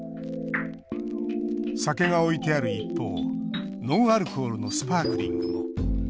酒が置いてある一方ノンアルコールのスパークリングも。